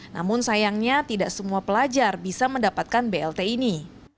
namun sayangnya tidak semua pelajar bisa mendapatkan blt ini